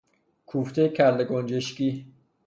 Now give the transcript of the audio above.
کوفته کله گنجشکی